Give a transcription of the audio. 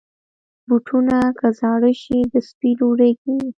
بوټونه که زاړه شي، د سپي ډوډۍ کېږي.